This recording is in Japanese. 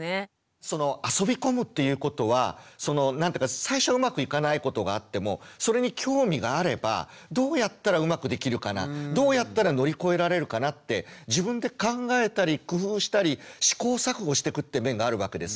そのあそび込むっていうことはその何ていうか最初うまくいかないことがあってもそれに興味があればどうやったらうまくできるかなどうやったら乗り越えられるかなって自分で考えたり工夫したり試行錯誤してくって面があるわけです。